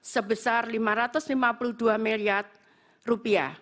sebesar rp lima ratus lima puluh dua miliar